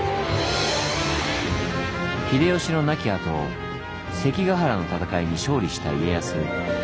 秀吉の亡き後関ヶ原の戦いに勝利した家康。